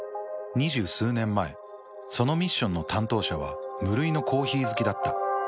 ２０数年前そのミッションの担当者は無類のコーヒー好きだった。